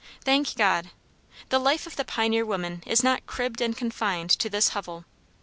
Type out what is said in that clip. Thank God! The life of the pioneer woman is not "cribbed and confined" to this hovel.